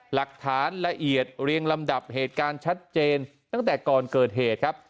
หลักฐานละเอียดเรียงลำดับเหตุการณ์ชัดเจนตั้งแต่ก่อนเกิดเหตุครับ